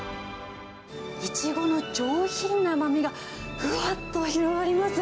イチゴの上品な甘みが、ふわっと広がります。